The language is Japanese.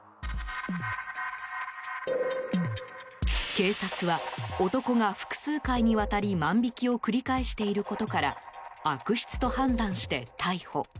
警察は、男が複数回にわたり万引きを繰り返していることから悪質と判断して逮捕。